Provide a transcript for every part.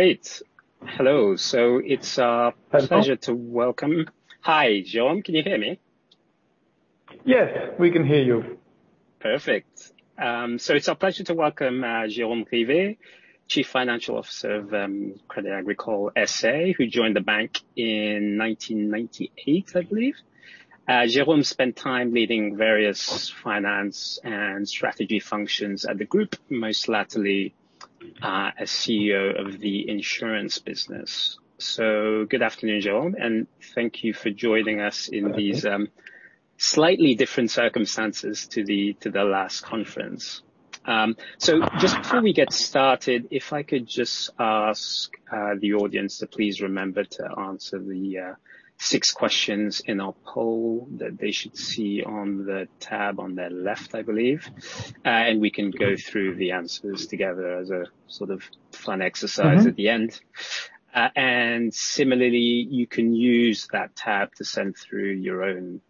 Great. Hello. It's a pleasure to welcome. Hi, Jérôme. Can you hear me? Yes, we can hear you. Perfect. It's our pleasure to welcome Jérôme Grivet, Chief Financial Officer of Crédit Agricole SA, who joined the bank in 1998, I believe. Jérôme spent time leading various finance and strategy functions at the group, most lately, as CEO of the insurance business. Good afternoon, Jérôme, and thank you for joining us in these slightly different circumstances to the last conference. Just before we get started, if I could just ask the audience to please remember to answer the six questions in our poll that they should see on the tab on their left, I believe. We can go through the answers together as a sort of fun exercise at the end. Similarly, you can use that tab to send through your own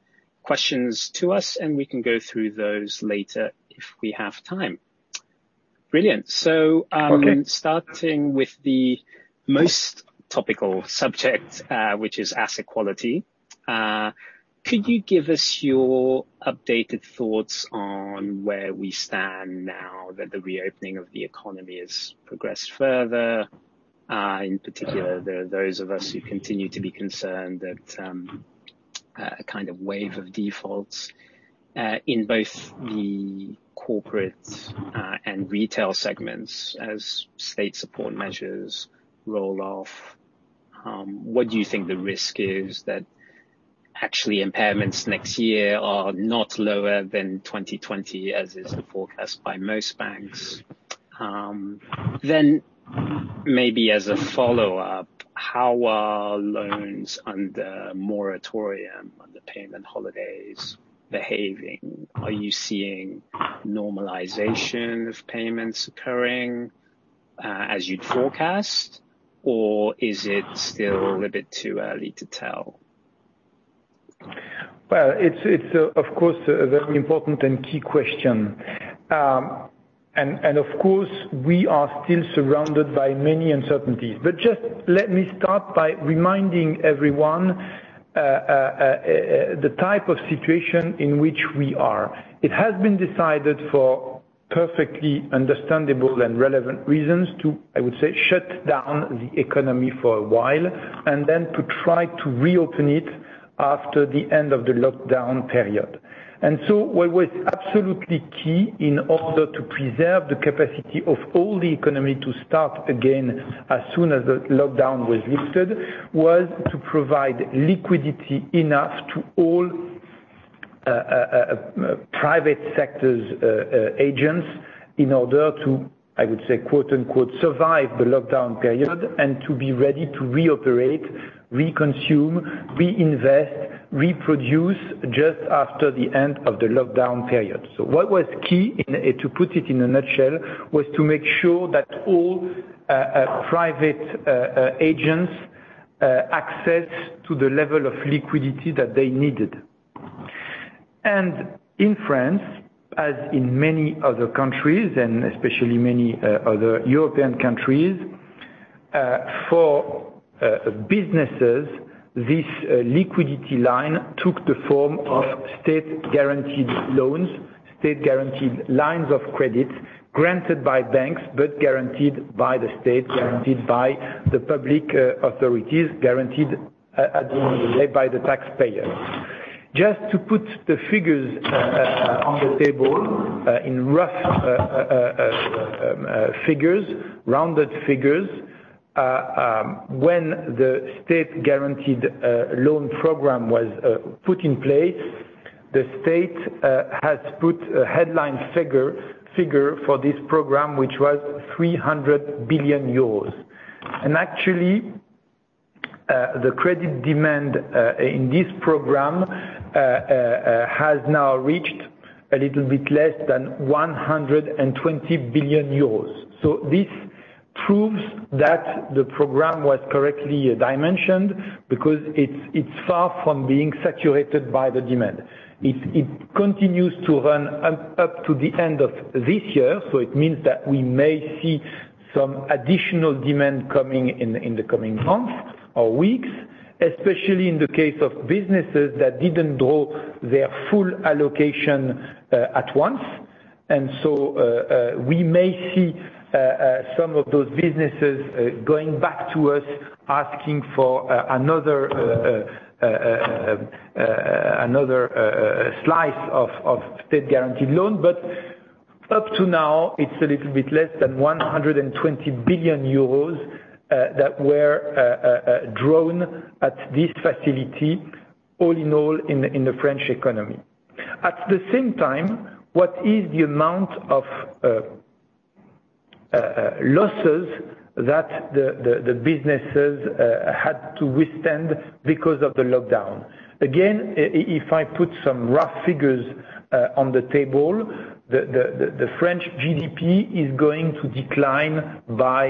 questions to us, and we can go through those later if we have time. Brilliant. Okay. Starting with the most topical subject, which is asset quality. Could you give us your updated thoughts on where we stand now that the reopening of the economy has progressed further? In particular, there are those of us who continue to be concerned that a kind of wave of defaults in both the corporate and retail segments as state support measures roll off. What do you think the risk is that actually impairments next year are not lower than 2020, as is the forecast by most banks? Maybe as a follow-up, how are loans under moratorium, under payment holidays behaving? Are you seeing normalization of payments occurring, as you'd forecast, or is it still a bit too early to tell? Well, it's of course a very important and key question. Of course, we are still surrounded by many uncertainties. Just let me start by reminding everyone, the type of situation in which we are. It has been decided for perfectly understandable and relevant reasons to, I would say, shut down the economy for a while, and then to try to reopen it after the end of the lockdown period. What was absolutely key in order to preserve the capacity of all the economy to start again as soon as the lockdown was lifted, was to provide liquidity enough to all private sectors agents in order to, I would say, quote-unquote, survive the lockdown period and to be ready to reoperate, reconsume, reinvest, reproduce just after the end of the lockdown period. What was key, to put it in a nutshell, was to make sure that all private agents access to the level of liquidity that they needed. In France, as in many other countries, and especially many other European countries, for businesses, this liquidity line took the form of state-guaranteed loans, state-guaranteed lines of credits granted by banks, but guaranteed by the state, guaranteed by the public authorities, guaranteed ultimately by the taxpayer. Just to put the figures on the table, in rough figures, rounded figures, when the state-guaranteed loan program was put in place, the state has put a headline figure for this program, which was 300 billion euros. Actually, the credit demand in this program has now reached a little bit less than 120 billion euros. This proves that the program was correctly dimensioned because it's far from being saturated by the demand. It continues to run up to the end of this year, it means that we may see some additional demand coming in the coming months or weeks, especially in the case of businesses that didn't draw their full allocation at once. We may see some of those businesses going back to us, asking for another slice of state-guaranteed loan. Up to now, it's a little bit less than 120 billion euros that were drawn at this facility, all in all, in the French economy. At the same time, what is the amount of losses that the businesses had to withstand because of the lockdown? Again, if I put some rough figures on the table, the French GDP is going to decline by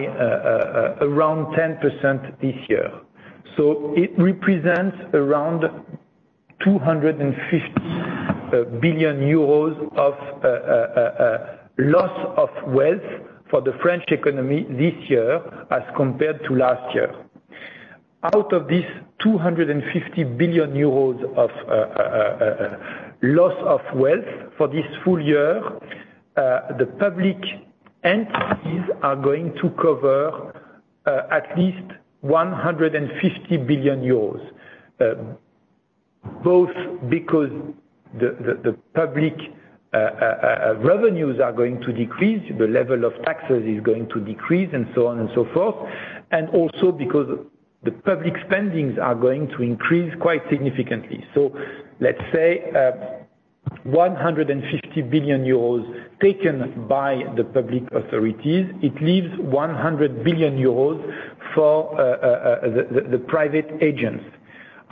around 10% this year. It represents around 250 billion euros of loss of wealth for the French economy this year as compared to last year. Out of this 250 billion euros of loss of wealth for this full year, the public entities are going to cover at least 150 billion EUR. Both because the public revenues are going to decrease, the level of taxes is going to decrease, and so on and so forth, and also because the public spendings are going to increase quite significantly. Let's say 150 billion euros taken by the public authorities, it leaves 100 billion euros for the private agents.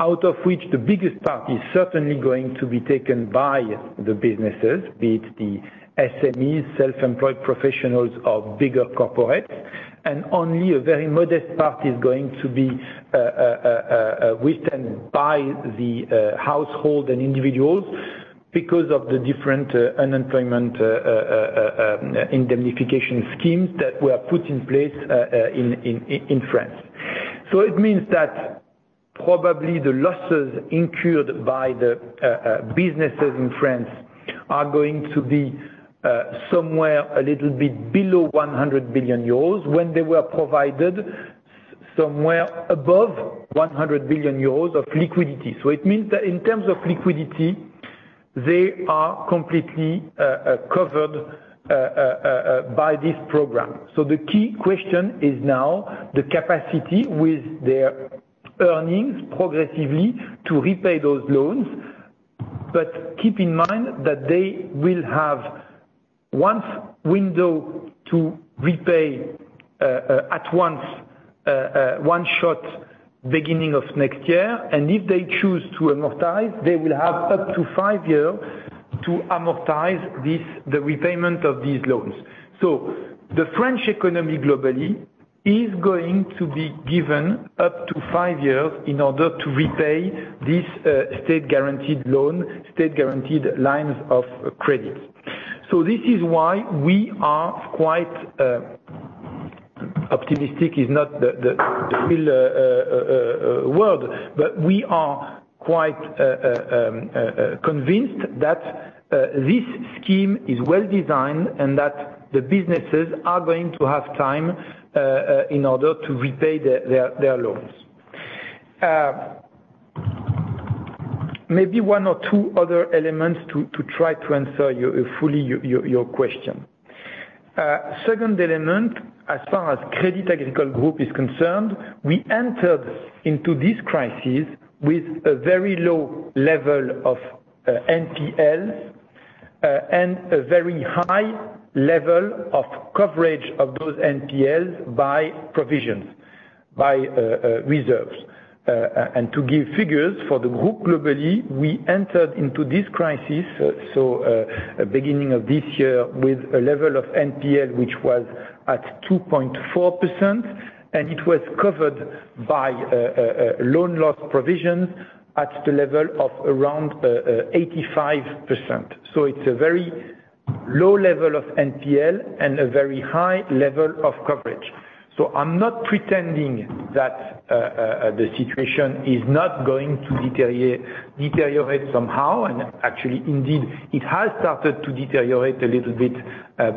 Out of which, the biggest part is certainly going to be taken by the businesses, be it the SMEs, self-employed professionals, or bigger corporates. Only a very modest part is going to be withstand by the household and individuals because of the different unemployment indemnification schemes that were put in place in France. It means that probably the losses incurred by the businesses in France are going to be somewhere a little bit below 100 billion euros when they were provided somewhere above 100 billion euros of liquidity. It means that in terms of liquidity, they are completely covered by this program. The key question is now the capacity with their earnings progressively to repay those loans. Keep in mind that they will have one window to repay at once, one shot, beginning of next year. If they choose to amortize, they will have up to five years to amortize the repayment of these loans. The French economy globally is going to be given up to five years in order to repay this state-guaranteed loan, state-guaranteed lines of credit. This is why we are quite, optimistic is not the real word, but we are quite convinced that this scheme is well-designed, and that the businesses are going to have time in order to repay their loans. Maybe one or two other elements to try to answer fully your question. Second element, as far as Crédit Agricole Group is concerned, we entered into this crisis with a very low level of NPLs and a very high level of coverage of those NPLs by provisions, by reserves. To give figures for the group globally, we entered into this crisis, so beginning of this year, with a level of NPL, which was at 2.4%, and it was covered by loan loss provisions at the level of around 85%. It's a very low level of NPL and a very high level of coverage. I'm not pretending that the situation is not going to deteriorate somehow, and actually, indeed, it has started to deteriorate a little bit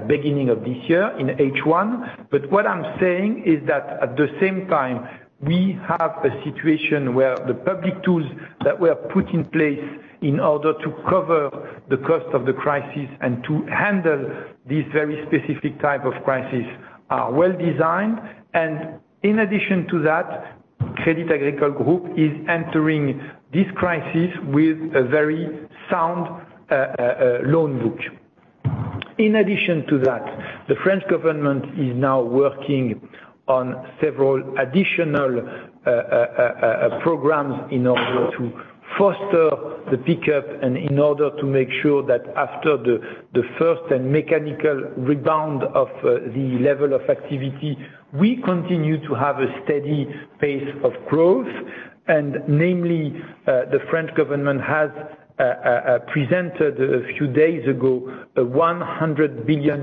beginning of this year in H1. What I'm saying is that at the same time, we have a situation where the public tools that were put in place in order to cover the cost of the crisis and to handle this very specific type of crisis are well-designed. In addition to that, Crédit Agricole Group is entering this crisis with a very sound loan book. In addition to that, the French government is now working on several additional programs in order to foster the pickup, and in order to make sure that after the first and mechanical rebound of the level of activity, we continue to have a steady pace of growth. Namely, the French government has presented a few days ago, a €100 billion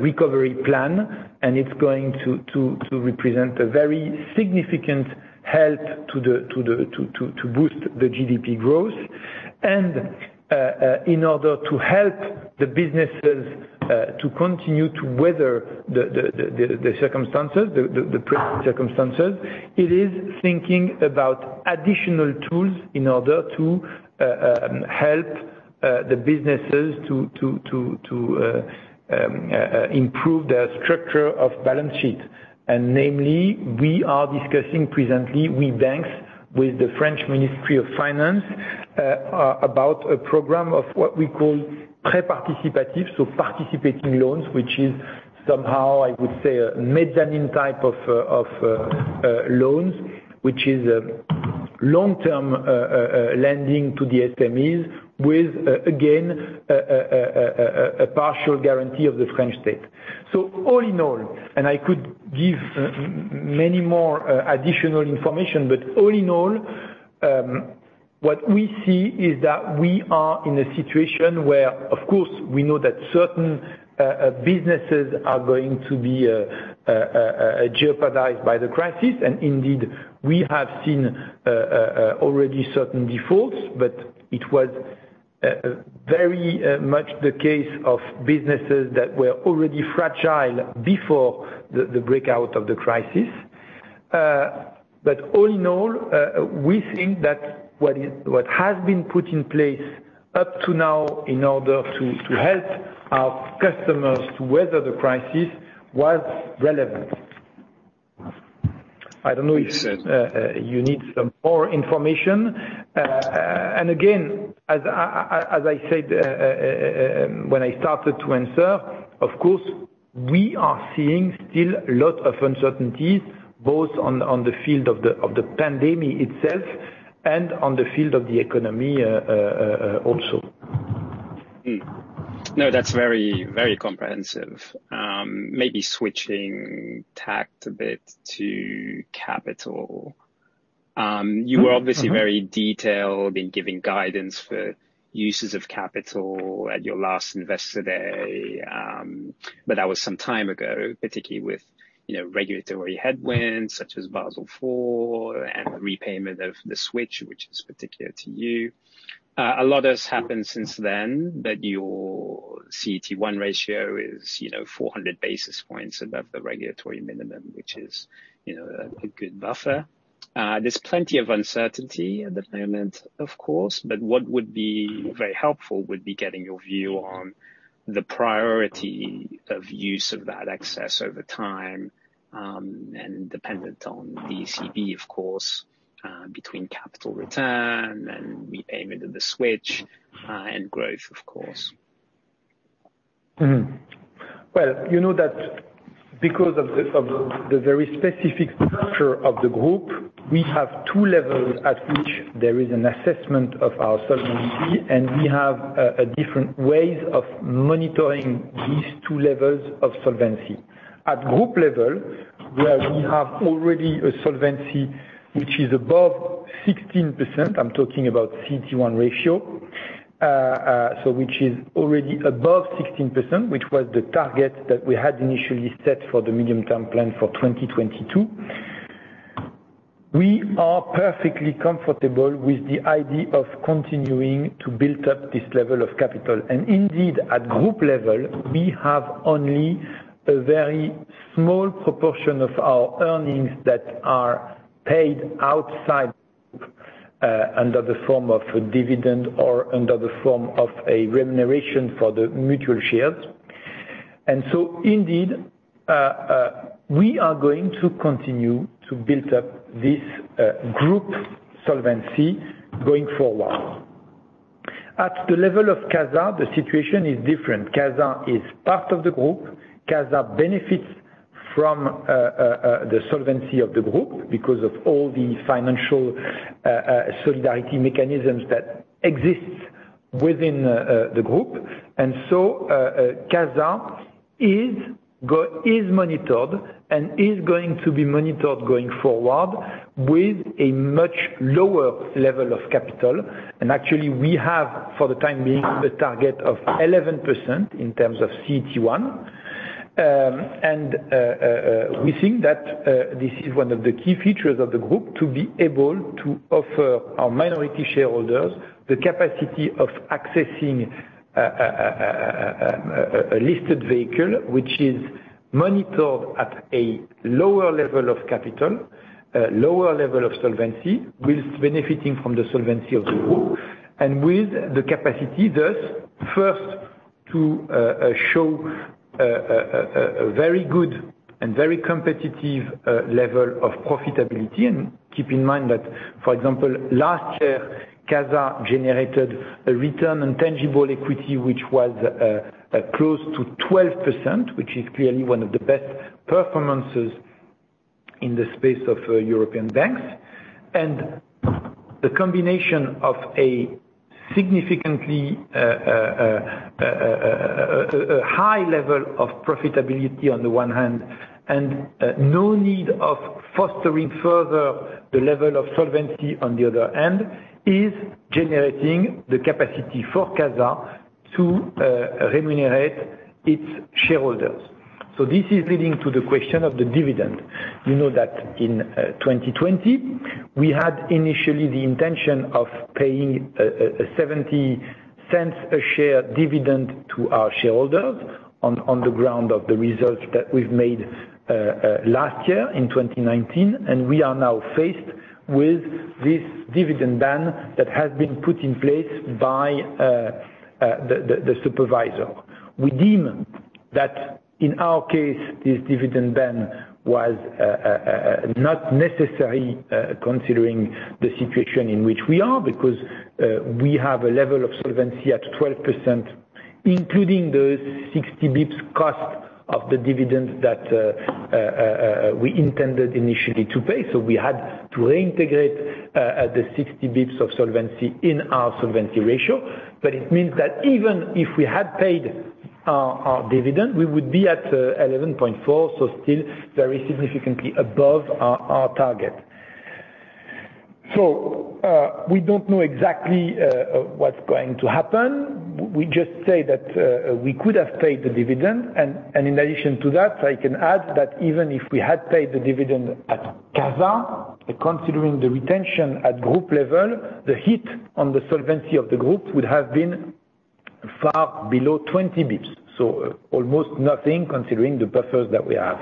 recovery plan, and it's going to represent a very significant help to boost the GDP growth. In order to help the businesses to continue to weather the present circumstances, it is thinking about additional tools in order to help the businesses to improve their structure of balance sheet. Namely, we are discussing presently, we banks, with the French Ministry of Finance about a program of what we call prêt participatif, so participating loans. Which is somehow, I would say, a mezzanine type of loans, which is a long-term lending to the SMEs with, again, a partial guarantee of the French state. All in all, and I could give many more additional information, but all in all, what we see is that we are in a situation where, of course, we know that certain businesses are going to be jeopardized by the crisis. Indeed, we have seen already certain defaults, but it was very much the case of businesses that were already fragile before the breakout of the crisis. All in all, we think that what has been put in place up to now in order to help our customers to weather the crisis was relevant. I don't know if you need some more information. Again, as I said when I started to answer, of course, we are seeing still a lot of uncertainties, both on the field of the pandemic itself and on the field of the economy also. No, that's very comprehensive. Maybe switching tack a bit to capital. You were obviously very detailed in giving guidance for uses of capital at your last investor day, but that was some time ago, particularly with regulatory headwinds such as Basel IV and the repayment of the switch, which is particular to you. A lot has happened since then, your CET1 ratio is 400 basis points above the regulatory minimum, which is a good buffer. There's plenty of uncertainty at the moment, of course, what would be very helpful would be getting your view on the priority of use of that excess over time, and dependent on the ECB, of course, between capital return and repayment of the switch and growth, of course. Well, you know that because of the very specific structure of the group, we have two levels at which there is an assessment of our solvency, and we have different ways of monitoring these two levels of solvency. At group level, where we have already a solvency which is above 16%, I'm talking about CET1 ratio, so which is already above 16%, which was the target that we had initially set for the medium-term plan for 2022. We are perfectly comfortable with the idea of continuing to build up this level of capital. Indeed, at group level, we have only a very small proportion of our earnings that are paid outside under the form of a dividend or under the form of a remuneration for the mutual shares. Indeed, we are going to continue to build up this group solvency going forward. At the level of CASA, the situation is different. CASA is part of the group. CASA benefits from the solvency of the group because of all the financial solidarity mechanisms that exist within the group. CASA is monitored and is going to be monitored going forward with a much lower level of capital. We have, for the time being, a target of 11% in terms of CET1. We think that this is one of the key features of the group to be able to offer our minority shareholders the capacity of accessing a listed vehicle, which is monitored at a lower level of capital, lower level of solvency, with benefiting from the solvency of the group, and with the capacity thus, first, to show a very good and very competitive level of profitability. Keep in mind that, for example, last year, CASA generated a return on tangible equity, which was close to 12%, which is clearly one of the best performances in the space of European banks. The combination of a significantly high level of profitability on the one hand, and no need of fostering further the level of solvency on the other hand, is generating the capacity for CASA to remunerate its shareholders. This is leading to the question of the dividend. You know that in 2020, we had initially the intention of paying a 0.70 a share dividend to our shareholders on the ground of the results that we've made last year in 2019, we are now faced with this dividend ban that has been put in place by the supervisor. We deem that in our case, this dividend ban was not necessary considering the situation in which we are, because we have a level of solvency at 12%, including those 60 basis points cost of the dividends that we intended initially to pay. We had to reintegrate the 60 basis points of solvency in our solvency ratio. It means that even if we had paid our dividend, we would be at 11.4%, still very significantly above our target. We don't know exactly what's going to happen. We just say that we could have paid the dividend. In addition to that, I can add that even if we had paid the dividend at CASA, considering the retention at group level, the hit on the solvency of the group would have been far below 20 basis points. Almost nothing, considering the buffers that we have.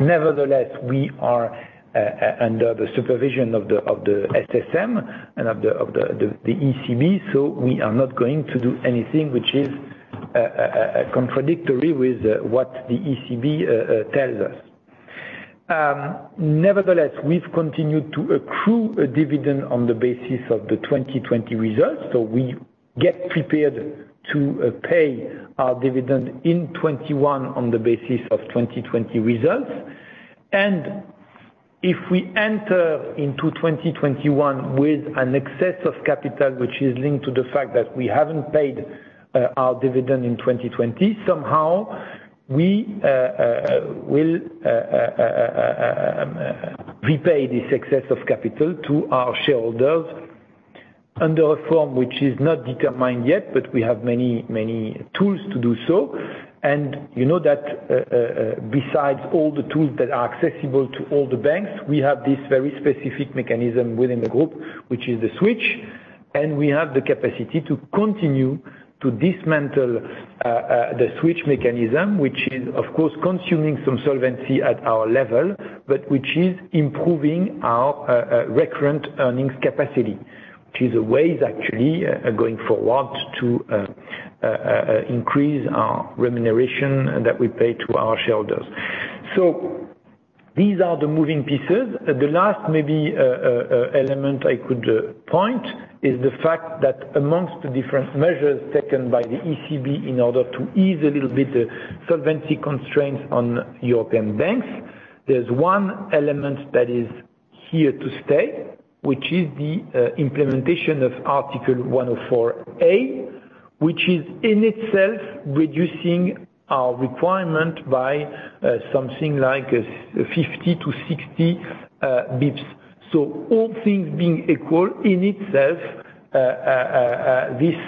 Nevertheless, we are under the supervision of the SSM and of the ECB, we are not going to do anything which is contradictory with what the ECB tells us. Nevertheless, we've continued to accrue a dividend on the basis of the 2020 results. We get prepared to pay our dividend in 2021 on the basis of 2020 results. If we enter into 2021 with an excess of capital, which is linked to the fact that we haven't paid our dividend in 2020, somehow, we will repay this excess of capital to our shareholders under a form which is not determined yet, we have many tools to do so. You know that besides all the tools that are accessible to all the banks, we have this very specific mechanism within the group, which is the switch, and we have the capacity to continue to dismantle the switch mechanism, which is, of course, consuming some solvency at our level, but which is improving our recurrent earnings capacity. Which is a way, actually, going forward, to increase our remuneration that we pay to our shareholders. These are the moving pieces. The last maybe element I could point is the fact that amongst the different measures taken by the ECB in order to ease a little bit the solvency constraints on European banks, there's one element that is here to stay, which is the implementation of Article 104a, which is in itself reducing our requirement by something like 50-60 bips. All things being equal, in itself, this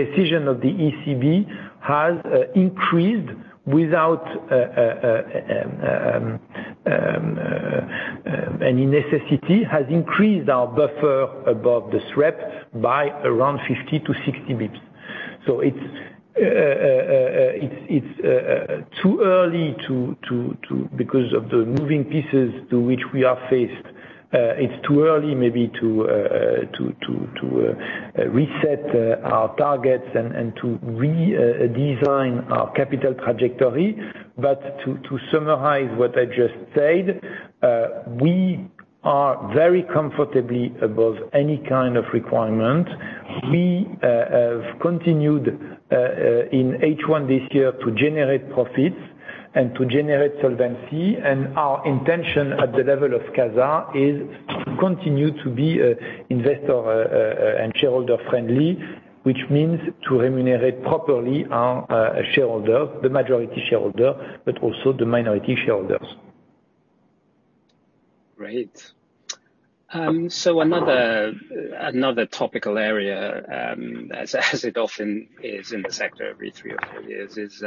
decision of the ECB has increased, without any necessity, has increased our buffer above the SREP by around 50-60 basis points. It's too early, because of the moving pieces to which we are faced, it's too early maybe to reset our targets and to redesign our capital trajectory. To summarize what I just said, we are very comfortably above any kind of requirement. We have continued in H1 this year to generate profits and to generate solvency. Our intention at the level of CASA is to continue to be investor and shareholder friendly, which means to remunerate properly our shareholder, the majority shareholder, but also the minority shareholders. Great. Another topical area, as it often is in the sector every three or four years, is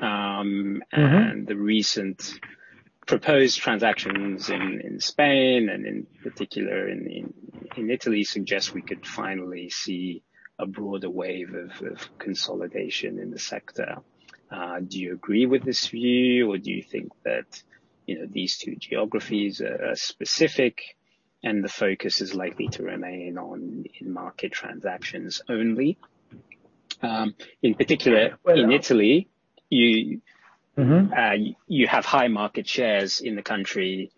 M&A. The recent proposed transactions in Spain and in particular in Italy suggest we could finally see a broader wave of consolidation in the sector. Do you agree with this view, or do you think that these two geographies are specific and the focus is likely to remain on in-market transactions only? You have high market shares in the country,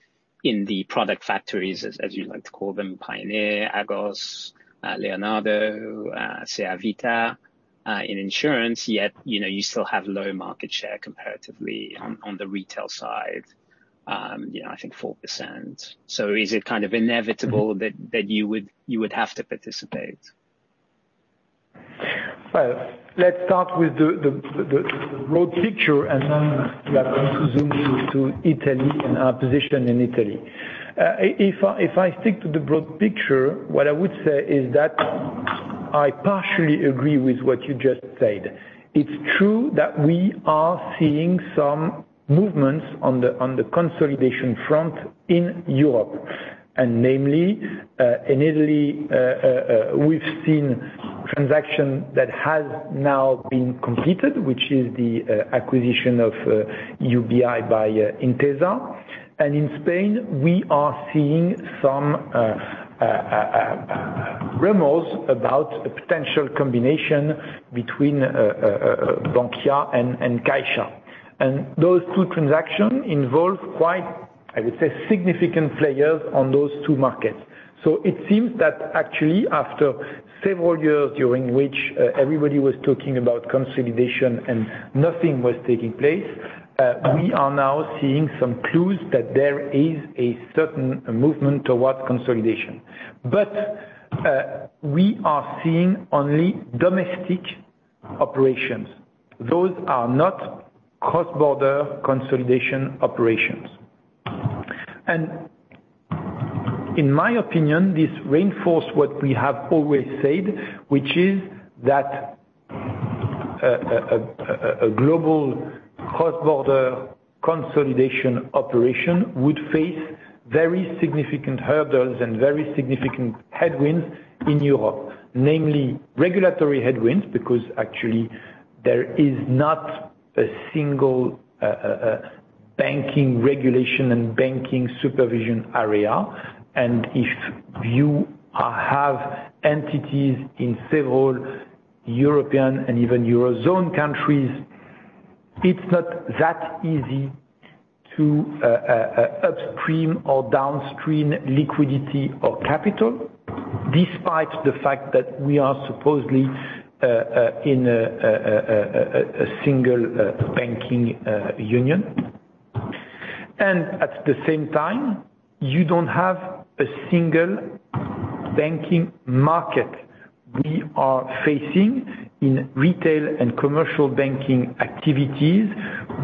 in the product factories, as you like to call them, Pioneer, Agos, Leonardo, CA Vita, in insurance. Yet, you still have low market share comparatively on the retail side. I think 4%. Is it kind of inevitable that you would have to participate? Well, let's start with the broad picture, and then we are going to zoom into Italy and our position in Italy. If I stick to the broad picture, what I would say is that I partially agree with what you just said. It's true that we are seeing some movements on the consolidation front in Europe, and namely, in Italy, we've seen transaction that has now been completed, which is the acquisition of UBI by Intesa. In Spain, we are seeing some rumors about a potential combination between Bankia and CaixaBank. Those two transactions involve quite, I would say, significant players on those two markets. It seems that actually, after several years during which everybody was talking about consolidation and nothing was taking place, we are now seeing some clues that there is a certain movement towards consolidation. We are seeing only domestic operations. Those are not cross-border consolidation operations. In my opinion, this reinforce what we have always said, which is that a global cross-border consolidation operation would face very significant hurdles and very significant headwinds in Europe, namely regulatory headwinds, because actually there is not a single banking regulation and banking supervision area. If you have entities in several European and even Eurozone countries, it's not that easy to upstream or downstream liquidity or capital, despite the fact that we are supposedly in a single banking union. At the same time, you don't have a single banking market. In retail and commercial banking activities,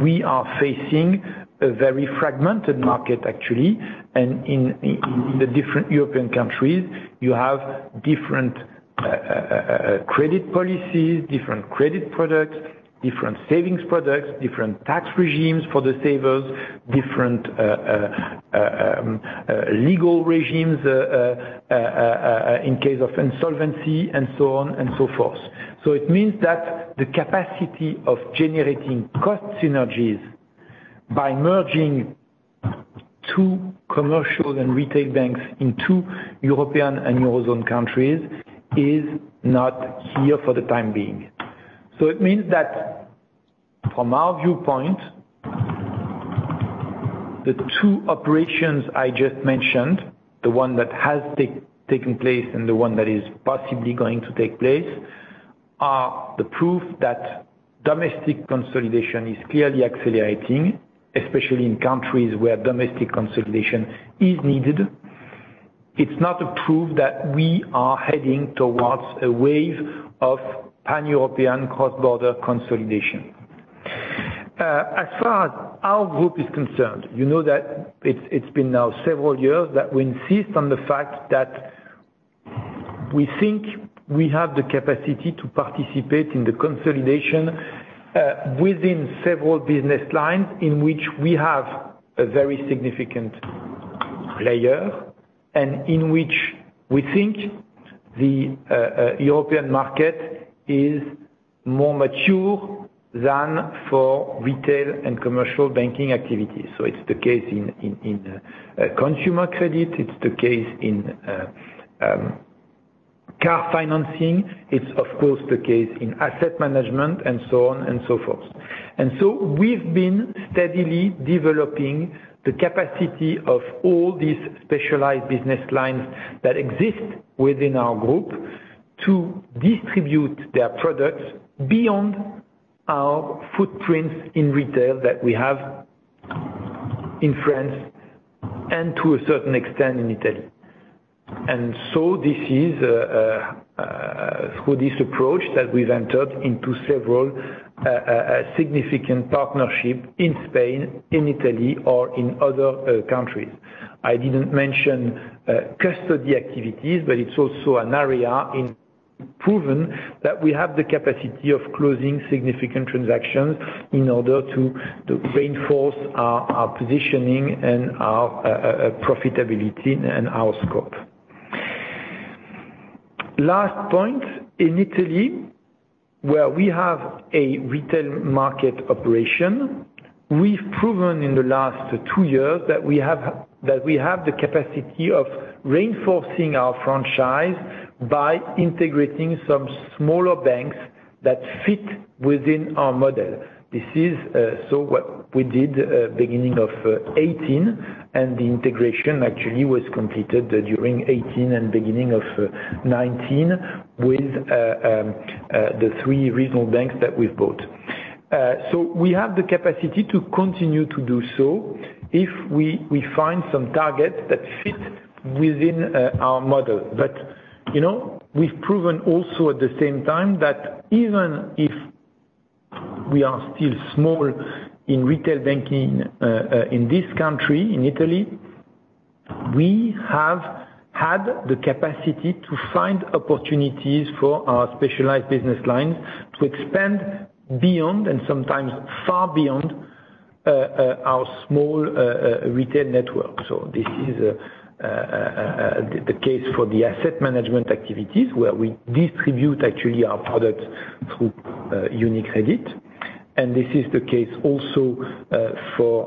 we are facing a very fragmented market, actually. In the different European countries, you have different credit policies, different credit products, different savings products, different tax regimes for the savers, different legal regimes in case of insolvency, and so on and so forth. It means that the capacity of generating cost synergies by merging two commercial and retail banks in two European and Eurozone countries is not here for the time being. It means that from our viewpoint, the two operations I just mentioned, the one that has taken place, and the one that is possibly going to take place, are the proof that domestic consolidation is clearly accelerating, especially in countries where domestic consolidation is needed. It's not a proof that we are heading towards a wave of Pan-European cross-border consolidation. As far as our group is concerned, you know that it's been now several years that we insist on the fact that we think we have the capacity to participate in the consolidation within several business lines in which we have a very significant player, and in which we think the European market is more mature than for retail and commercial banking activities. It's the case in consumer credit, it's the case in car financing, it's of course, the case in asset management, and so on and so forth. We've been steadily developing the capacity of all these specialized business lines that exist within our group to distribute their products beyond our footprints in retail that we have in France, and to a certain extent, in Italy. This is through this approach that we've entered into several significant partnerships in Spain, in Italy, or in other countries. I didn't mention custody activities, but it's also an area in proven that we have the capacity of closing significant transactions in order to reinforce our positioning and our profitability and our scope. Last point, in Italy, where we have a retail market operation, we've proven in the last two years that we have the capacity of reinforcing our franchise by integrating some smaller banks that fit within our model. This is so what we did beginning of 2018, and the integration actually was completed during 2018 and beginning of 2019 with the three regional banks that we've bought. We have the capacity to continue to do so if we find some targets that fit within our model. We've proven also at the same time that even if we are still small in retail banking in this country, in Italy, we have had the capacity to find opportunities for our specialized business line to expand beyond, and sometimes far beyond our small retail network. So this is the case for the asset management activities where we distribute actually our products through UniCredit. This is the case also for